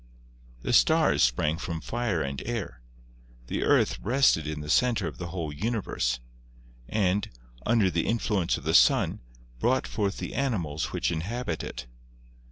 The stars sprang from fire and air; the earth rested in the center of the whole universe, and, under the influence of the sun, brought forth the animals which inhabit it.